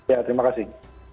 ya terima kasih